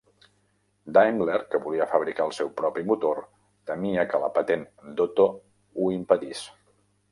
Daimler, que volia fabricar el seu propi motor, temia que la patent d'Otto ho impedís.